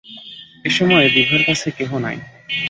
এ সময়ে বিভার কাছে কেহ নাই।